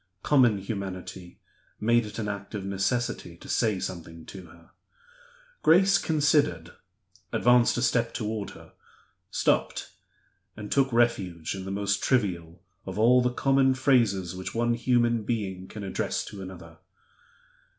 Common humanity made it an act of necessity to say something to her. Grace considered advanced a step toward her stopped and took refuge in the most trivial of all the common phrases which one human being can address to another.